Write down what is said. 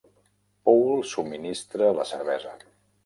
Poul subministra la cervesa.